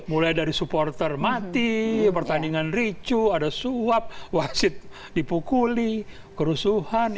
mulai dari supporter mati pertandingan ricu ada suap wasit dipukuli kerusuhan